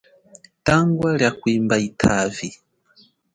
Tangwa lia kwimba yitavi.